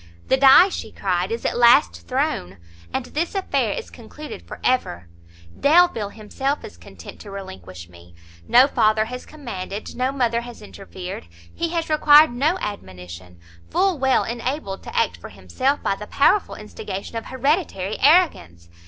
"The die," she cried, "is at last thrown; and this affair is concluded for ever! Delvile himself is content to relinquish me; no father has commanded, no mother has interfered, he has required no admonition, full well enabled to act for himself by the powerful instigation of hereditary arrogance!